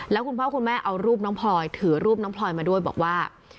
แล้วคุณพ่อคุณแม่เอารูปน้องพลอยถือรูปน้องพลอยมาด้วยบอกว่า